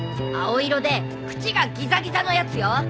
青色で縁がギザギザのやつよ。